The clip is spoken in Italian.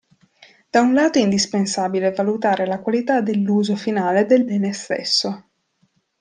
Da un lato è indispensabile valutare la qualità dell'uso finale del bene stesso.